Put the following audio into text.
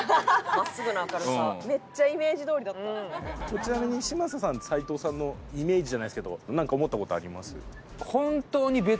ちなみに嶋佐さん齊藤さんのイメージじゃないですけどなんか思った事あります？